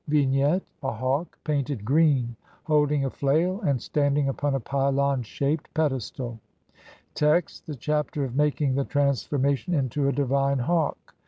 ] Vignette : A hawk, painted green, holding a flail, and standing upon a pylon shaped pedestal (see Papyrus of Ani, sheet 25). Text: (1) The Chapter of making the transformation INTO A DIVINE HAWK.